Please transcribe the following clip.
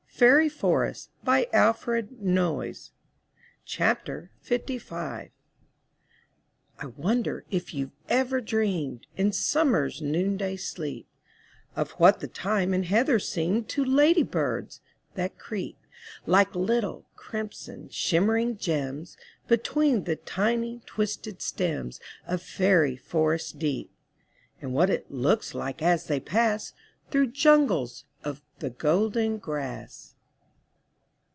m FAIRY FORESTS* Alfred Noyes I wonder if youVe ever dreamed. In summer^s noonday sleep, Of what the thyme and heather seemed To ladybirds that creep Like little, crimson, shimmering gems Between the tiny, twisted stems Of fairy forests deep; And what it looks like as they pass Through jungles of the golden grass.